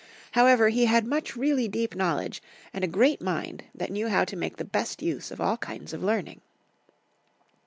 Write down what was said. However, he had much really deep knowledge, and a great mind that knew how to make the best use of all kinds of learning.